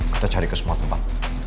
kita cari ke semua tempat